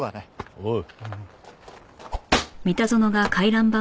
おう。